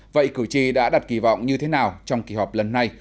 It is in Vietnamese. vậy cử tri đã đặt kỳ vọng như thế nào trong kỳ họp lần này